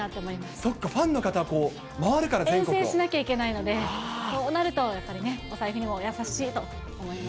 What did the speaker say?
そっか、遠征しなきゃいけないので、そうなるとやっぱりね、お財布にも優しいと思います。